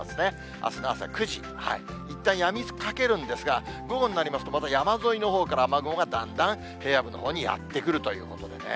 あすの朝９時、いったんやみかけるんですが、午後になりますと、また山沿いのほうから雨雲がだんだん平野部のほうにやって来るということでね。